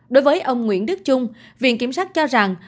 đối với ông nguyễn đức trung viện kiểm sát cho rằng